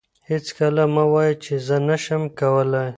هیڅکله مه وایئ چي زه نشم کولای.